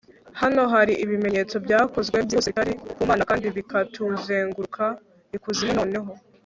Hano hari ibimenyetso byakozwe byihuse bitari ku Mana kandi bikatuzenguruka ikuzimu noneho